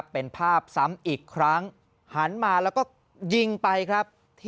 เป็นภาพซ้ำอีกครั้งหันมาแล้วก็ยิงไปครับ